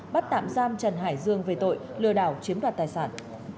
bắt tạm giam trần hải dương về tội lừa đảo chiếm đoạt tài sản